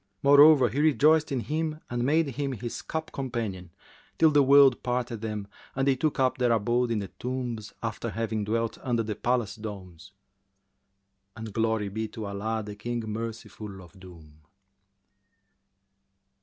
Moreover, he rejoiced in him and made him his cup companion, till the world parted them and they took up their abode in the tombs, after having dwelt under the palace domes; and glory be to Allah, the King Merciful of doom.